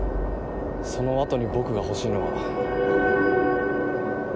そのあとに僕が欲しいのは。